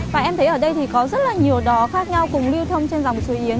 và em thấy ở đây thì có rất là nhiều đò khác nhau cùng lưu thông trên dòng suối yến